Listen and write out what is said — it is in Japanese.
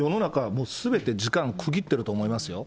もうすべて時間区切ってると思いますよ。